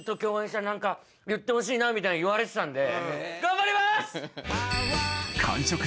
みたいに言われてたんで。